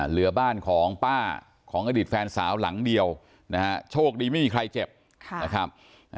เหลือบ้านของป้าของอดีตแฟนสาวหลังเดียวนะฮะโชคดีไม่มีใครเจ็บนะครับ